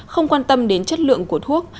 không quan tâm đến chất lượng của thuốc